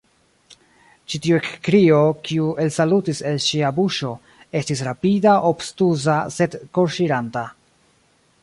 Ĉi tiu ekkrio, kiu elsaltis el ŝia buŝo, estis rapida, obtuza, sed korŝiranta.